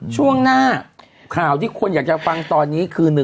แล้ววงหน้าข่าวที่ควรอยากจะฟังตอนนี้เป็น